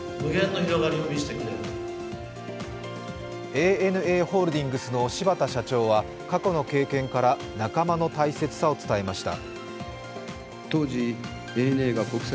ＡＮＡホールディングスの芝田社長は過去の経験から仲間の大切さを伝えました。